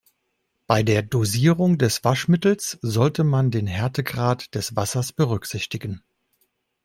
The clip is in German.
Bei der Dosierung des Waschmittels sollte man den Härtegrad des Wassers berücksichtigen.